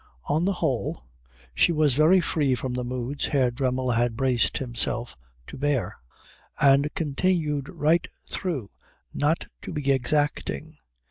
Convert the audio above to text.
On the whole she was very free from the moods Herr Dremmel had braced himself to bear, and continued right through not to be exacting.